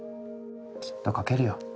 きっと描けるよ。